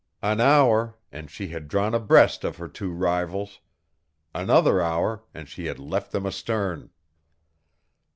An hour and she had drawn abreast of her two rivals; another hour and she had left them astern.